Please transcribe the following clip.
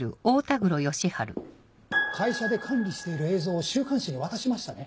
会社で管理している映像を週刊誌に渡しましたね？